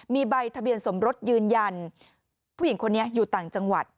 มีใบทะเบียนสมรสยืนยันผู้หญิงคนนี้อยู่ต่างจังหวัด